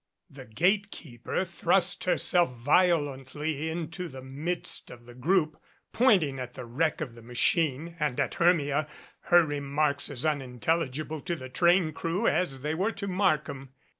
The gate keeper thrust herself violently into the midst of the group pointing at the wreck of the machine and at Hermia, her remarks as unintelligible to the train crew as they were to Markham.